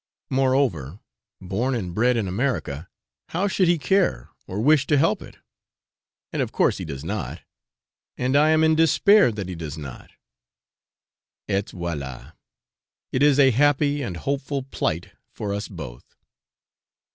Moreover, born and bred in America, how should he care or wish to help it? and of course he does not; and I am in despair that he does not: et voilà, it is a happy and hopeful plight for us both.